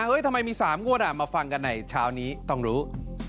เฮ้ยทำไมมี๓งวดอ่ะมาฟังกันไหนช้านี้ต้องรู้